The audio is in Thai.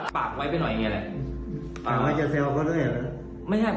ปากไว้ไปหน่อยอย่างเงี้ยแหละอ่าไม่ใช่ผม